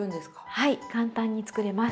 はい簡単に作れます。